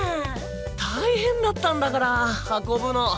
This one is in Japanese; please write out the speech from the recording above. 大変だったんだから運ぶの。